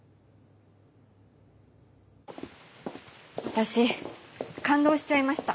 私感動しちゃいました。